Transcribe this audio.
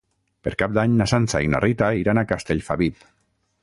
Per Cap d'Any na Sança i na Rita iran a Castellfabib.